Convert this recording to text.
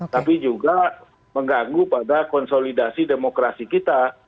tapi juga mengganggu pada konsolidasi demokrasi kita